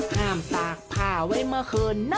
ห้ามตากผ้าไว้เมื่อคืนเนอะ